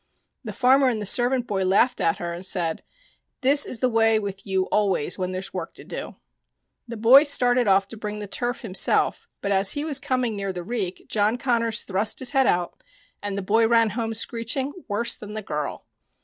The farmer and the servant boy laughed at her and said :" This is the way with you always when there's work to do." The boy started off to bring the turf himself, but as he was coming near the reek John Connors thrust his head out, and the boy ran home screeching worse than the girl.